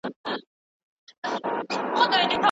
تاسو د اوبو په څښلو بوخت یاست.